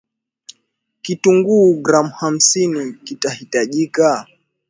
Kitunguu gram hamsini kitahitajika